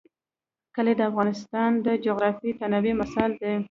کلي د افغانستان د جغرافیوي تنوع مثال دی.